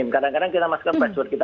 kadang kadang kita masukkan password kita